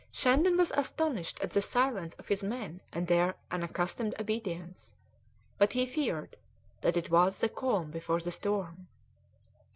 Shandon was astonished at the silence of his men and their unaccustomed obedience, but he feared that it was the calm before the storm.